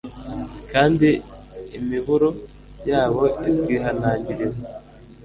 kandi imiburo yabo itwihanangiriza